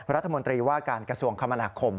รัฐมนตรีว่าการกระทรวงคมนาคม